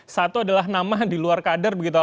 satu adalah nama di luar kader begitu